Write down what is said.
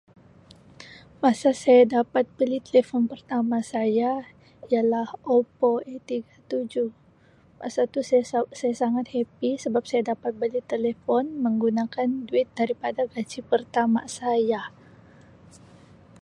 Masa saya dapat beli telefon pertama saya ialah Oppa A tiga tujuh, masa tu saya sa-saya sangat happy sebab saya dapat beli telefon menggunakan duit daripada gaji pertama saya.